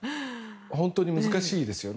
本当に難しいですよね。